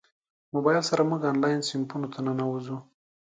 موبایل سره موږ انلاین صنفونو ته ننوځو.